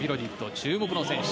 注目の選手。